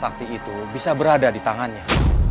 sakti itu bisa berada di tangannya